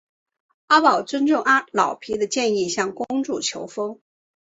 阿宝遵照老皮的建议向公主求婚。